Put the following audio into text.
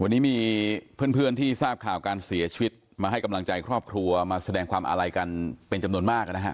วันนี้มีเพื่อนที่ทราบข่าวการเสียชีวิตมาให้กำลังใจครอบครัวมาแสดงความอาลัยกันเป็นจำนวนมากนะฮะ